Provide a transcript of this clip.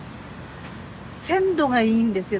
・鮮度がいいんですよ。